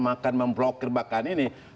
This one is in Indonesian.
makan memblokir bahkan ini